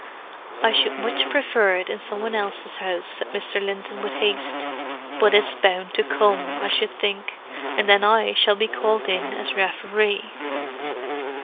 "I should much prefer it in some one else's house," said Mr. Linton with haste. "But it's bound to come, I should think, and then I shall be called in as referee.